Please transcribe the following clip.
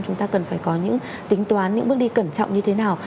chúng ta cần phải có những tính toán những bước đi cẩn trọng như thế nào